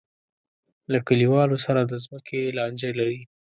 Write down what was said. له کلیوالو سره د ځمکې لانجه لري.